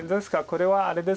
これはあれです。